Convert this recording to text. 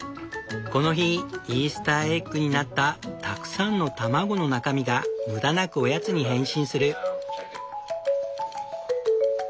この日イースターエッグになったたくさんの卵の中身が無駄なくおやつに変身する。